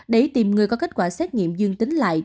để tìm người có kết quả xét nghiệm dương tính lại